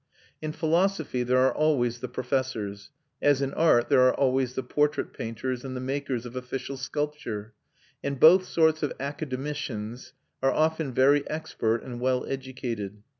In philosophy there are always the professors, as in art there are always the portrait painters and the makers of official sculpture; and both sorts of academicians are often very expert and well educated.